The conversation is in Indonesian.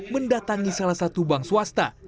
mendatangi salah satu bank swasta